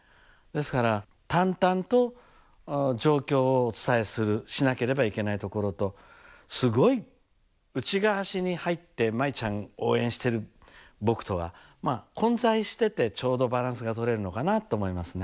ですから淡々と状況をお伝えするしなければいけないところとすごい内側に入って舞ちゃん応援してる僕とはまあ混在しててちょうどバランスが取れるのかなと思いますね。